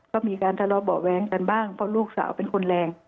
ก็มีการทะเลาะเบาะแว้งกันบ้างเพราะลูกสาวเป็นคนแรง